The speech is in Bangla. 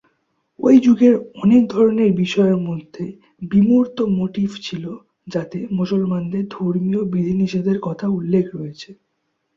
ঐ যুগের অনেক ধরনের বিষয়ের মধ্যে বিমূর্ত মোটিফ ছিল যাতে মুসলমানদের ধর্মীয় বিধি-নিষেধের কথা উল্লেখ রয়েছে।